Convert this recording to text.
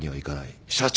社長。